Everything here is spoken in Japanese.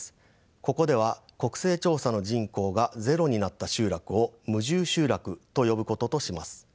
ここでは国勢調査の人口がゼロになった集落を無住集落と呼ぶこととします。